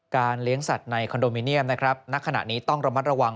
เลี้ยงสัตว์ในคอนโดมิเนียมนะครับณขณะนี้ต้องระมัดระวัง